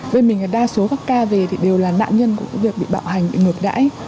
bên mình là đa số các ca về thì đều là nạn nhân của cái việc bị bạo hành bị ngược đãi